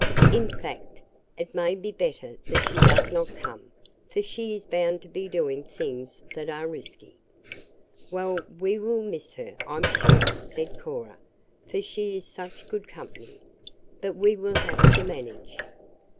"In fact, it may be better that she does not come, for she is bound to be doing things that are risky." "Well, we will miss her, I'm sure," said Cora, "for she is such good company. But we will have to manage."